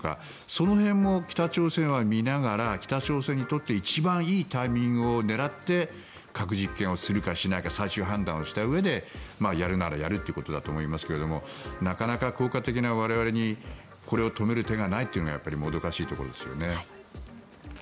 その辺も北朝鮮は見ながら北朝鮮にとって一番いいタイミングを狙って核実験をするかしないか最終判断をしたうえでやるならやるということだと思いますがなかなか効果的な我々にこれを止める手がないというのがやっぱりもどかしいところですよね。